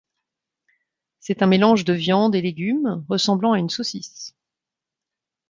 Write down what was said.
C'est un mélange de viandes et légumes, ressemblant à une saucisse.